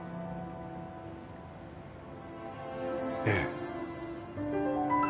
ええ。